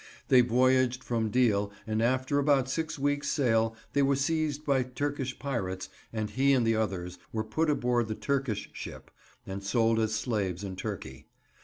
They voyaged from Deal and after about six weeks' sail they were seized by Turkish pirates and he and the others were put aboard the Turkish ship and sold as slaves in Turkey.